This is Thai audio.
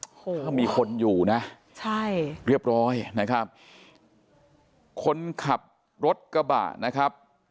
โอ้โหถ้ามีคนอยู่นะใช่เรียบร้อยนะครับคนขับรถกระบะนะครับ